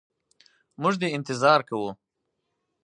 موږ دي انتظار کوو.